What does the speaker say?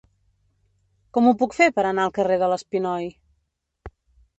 Com ho puc fer per anar al carrer de l'Espinoi?